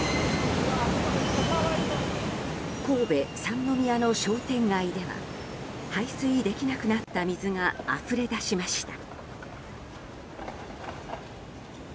神戸・三宮の商店街では排水できなくなった水があふれ出しました。